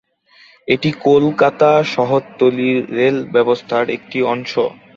এটি কলকাতা শহরতলির রেল ব্যবস্থার একটি অংশ।